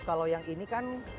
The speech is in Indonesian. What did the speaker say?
kalau yang ini kan